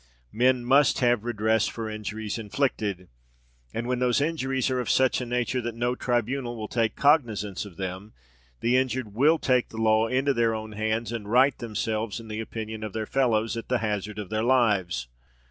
Men must have redress for injuries inflicted; and when those injuries are of such a nature that no tribunal will take cognisance of them, the injured will take the law into their own hands, and right themselves in the opinion of their fellows, at the hazard of their lives.